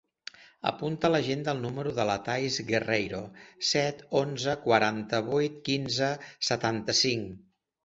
Apunta a l'agenda el número de la Thaís Guerreiro: set, onze, quaranta-vuit, quinze, setanta-cinc.